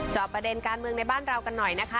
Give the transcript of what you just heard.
ประเด็นการเมืองในบ้านเรากันหน่อยนะคะ